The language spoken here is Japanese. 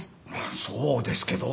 そうですけど。